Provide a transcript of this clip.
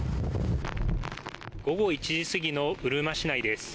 午後１時過ぎのうるま市内です。